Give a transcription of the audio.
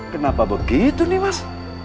kenapa begitu nih mas